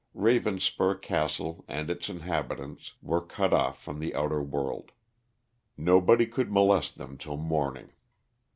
Ravenspur Castle and its inhabitants were cut off from the outer world. Nobody could molest them till morning.